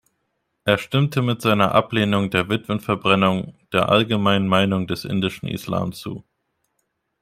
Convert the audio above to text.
Er stimmte mit seiner Ablehnung der Witwenverbrennung der allgemeinen Meinung des indischen Islam zu.